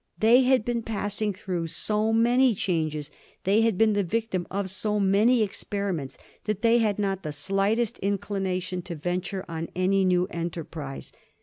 They had been passing through so many changes, they had been the victims of so many experiments, that they had not the slightest inclination to venture on any new enterprise.